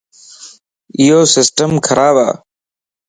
ايو سسٽم خراب ا.